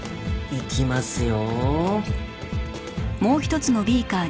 いきますよ！